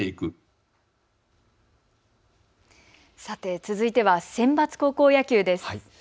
さて続いてはセンバツ高校野球です。